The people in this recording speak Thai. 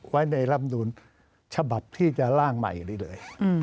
ไว้ในรำนูลฉบับที่จะล่างใหม่ได้เลย